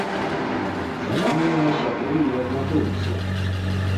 Шаноўныя сябры і аднадумцы!